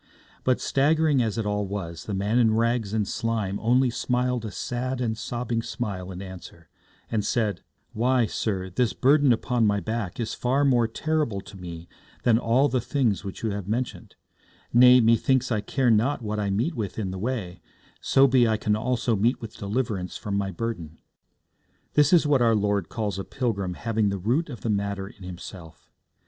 But, staggering as it all was, the man in rags and slime only smiled a sad and sobbing smile in answer, and said: 'Why, sir, this burden upon my back is far more terrible to me than all the things which you have mentioned; nay, methinks I care not what I meet with in the way, so be I can also meet with deliverance from my burden.' This is what our Lord calls a pilgrim having the root of the matter in himself.